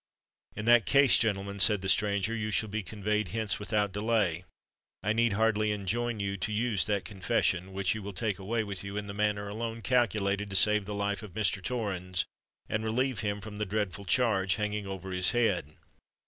"In that case, gentlemen," said the stranger, "you shall be conveyed hence without delay. I need hardly enjoin you to use that confession, which you will take away with you, in the manner alone calculated to save the life of Mr. Torrens and relieve him from the dreadful charge hanging over his head."